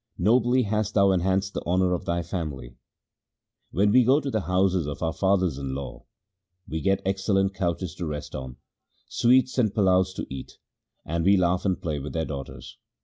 Nobly hast thou enhanced the honour of thy family ! When we go to the houses of our fathers in law, we get excellent couches to rest on, sweets and palaos to eat, and we laugh and play with their daughters.